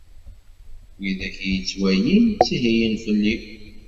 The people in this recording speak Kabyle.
Wid akk i iyi-d-ittwalin, ttihiyen fell-i.